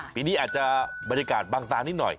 ปีนี้อาจจะบรรยากาศบางตานิดหน่อย